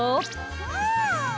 うん！